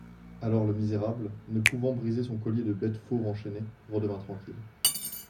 Alors le misérable, ne pouvant briser son collier de bête fauve enchaînée, redevint tranquille.